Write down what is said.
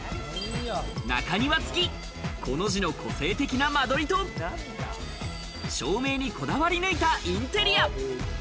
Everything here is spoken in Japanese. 中庭付き、コの字の個性的な間取りと照明にこだわり抜いたインテリア。